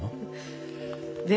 で？